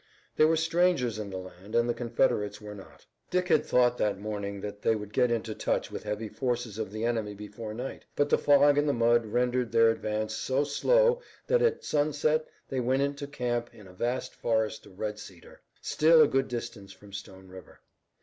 They were strangers in the land and the Confederates were not. Dick had thought that morning that they would get into touch with heavy forces of the enemy before night, but the fog and the mud rendered their advance so slow that at sunset they went into camp in a vast forest of red cedar, still a good distance from Stone River.